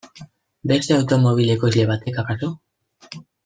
Beste automobil ekoizle batek akaso?